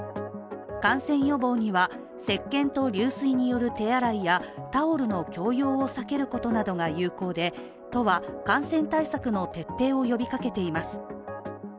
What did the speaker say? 感染予防にはせっけんと流水による手洗いやタオルの共用を避けることなどが有効で都は、感染対策の徹底を呼びかけています。